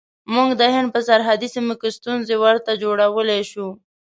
موږ د هند په سرحدي سیمو کې ستونزې ورته جوړولای شو.